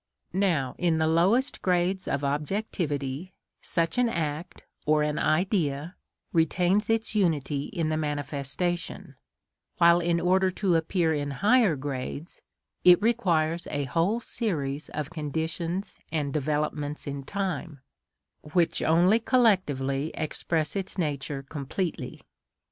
Now, in the lowest grades of objectivity, such an act (or an Idea) retains its unity in the manifestation; while, in order to appear in higher grades, it requires a whole series of conditions and developments in time, which only collectively express its nature completely.